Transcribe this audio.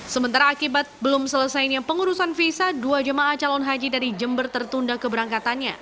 sementara akibat belum selesainya pengurusan visa dua jemaah calon haji dari jember tertunda keberangkatannya